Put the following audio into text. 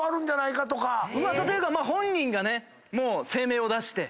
噂というか本人がもう声明を出して。